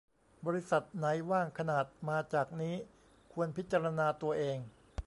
บริษัทไหนว่างขนาดมาจากนี้ควรพิจารณาตัวเอง